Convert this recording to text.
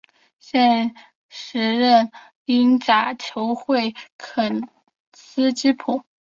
现时任教英甲球会斯肯索普。